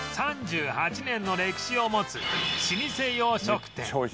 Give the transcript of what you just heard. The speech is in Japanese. ３８年の歴史を持つ老舗洋食店